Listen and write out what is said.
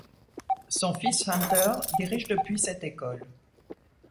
Son fils Hunter dirige depuis cette école.